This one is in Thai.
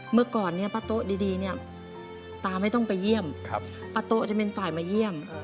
เมื่อก่อนเนี่ยป้าโต๊ะดีเนี่ยตาไม่ต้องไปเยี่ยมป้าโต๊ะจะเป็นฝ่ายมาเยี่ยม